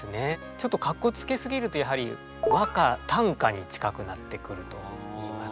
ちょっとかっこつけすぎるとやはり和歌短歌に近くなってくるといいますか。